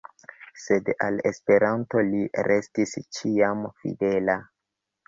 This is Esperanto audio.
Sed al Esperanto li restis ĉiam fidela.